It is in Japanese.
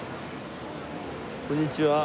こんにちは。